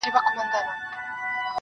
یوار مسجد ته ګورم، بیا و درمسال ته ګورم.